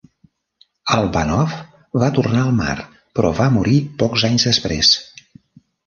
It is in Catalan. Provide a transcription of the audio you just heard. Albanov va tornar al mar, però va morir pocs anys després.